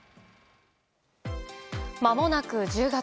まもなく１０月。